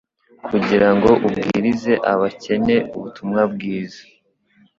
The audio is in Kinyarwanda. "Kugira ngo abwirize abakene ubutumwa bwiza"